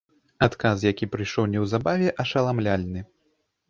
Адказ, які прыйшоў неўзабаве, ашаламляльны.